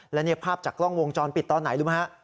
และภาพจากกล้องวงจรปิดตอนไหนรู้ไหมฮะ